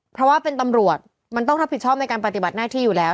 เพราะว่าเป็นตำรวจมันต้องรับผิดชอบในการปฏิบัติหน้าที่อยู่แล้ว